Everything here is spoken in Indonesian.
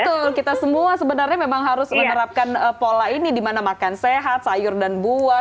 betul kita semua sebenarnya memang harus menerapkan pola ini dimana makan sehat sayur dan buah